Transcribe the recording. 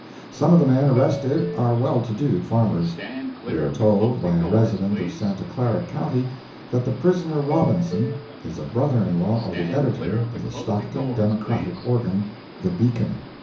Some of the men arrested are well to do farmers. We are told by a resident of Santa Clara county that the prisoner Robinson is a brother in law of the editor of the Stockton Democratic organ, the Beacon.